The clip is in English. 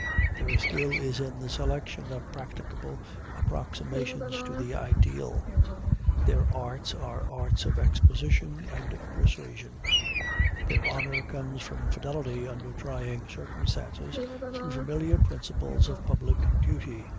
Their skill is in the selection of practicable approximations to the ideal; their arts are arts of exposition and persuasion; their honor comes from fidelity under trying circumstances to familiar principles of public duty.